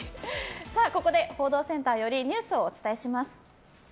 ここで報道センターよりニュースをお伝えします。